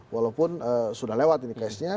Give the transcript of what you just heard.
walaupun sudah lewat ini cashnya